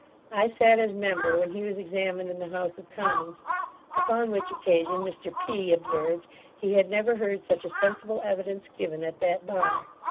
I sat as member when he was examined in the house of commons, upon which occasion Mr P observed he had never heard such a sensible evidence given at that bar.